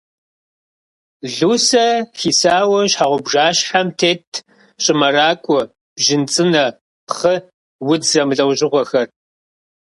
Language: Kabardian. Лусэ хисауэ щхьэгъубжащхьэм тетт щӏымэракӏуэ, бжьын цӏынэ, пхъы, удз зэмылӏэужьыгъуэхэр.